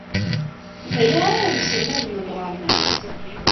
D aya ay awen-sselmaden deg uɣerbaz?